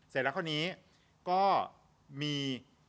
เสร็จแล้วคราวนี้ก็มี